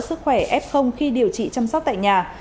sức khỏe ép không khi điều trị chăm sóc tại nhà